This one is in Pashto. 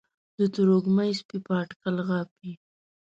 د تروږمۍ سپي په اټکل غاپي